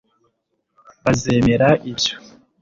bazemera ibyo